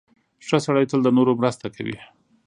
• ښه سړی تل د نورو مرسته کوي.